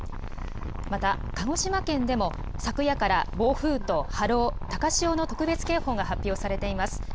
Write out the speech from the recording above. また鹿児島県でも、昨夜から暴風と波浪、高潮の特別警報が発表されています。